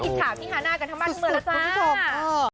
ไม่อิจฉาพี่ฮาน่ากันทั้งบ้านทั้งหมดแล้วจ้า